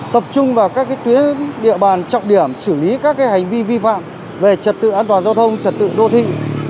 tập trung vào các tuyến địa bàn trọng điểm xử lý các hành vi vi phạm về trật tự an toàn giao thông trật tự đô thị